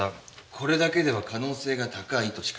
これだけでは可能性が高いとしか。